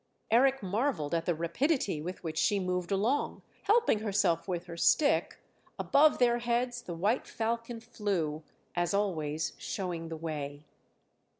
Eric marvelled at the rapidity with which she moved along, helping herself with her stick; above their heads the white falcon flew, as always, showing the way.